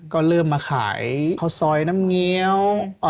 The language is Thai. ก็เริ่มมาขายข้าวซอยน้ำเงี้ยว